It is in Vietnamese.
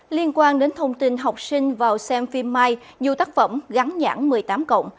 liên quan đến thông tin học sinh vào xem phim mai dù tác phẩm gắn nhãn một mươi tám cộng